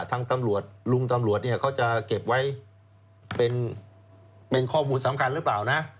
ทางตำรวจลุงตำรวจเนี่ยเขาจะเก็บไว้เป็นข้อมูลสำคัญหรือเปล่านะ